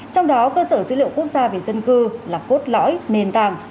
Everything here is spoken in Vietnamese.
trong đó cơ sở dữ liệu quốc gia về dân cư là cốt lõi nền tảng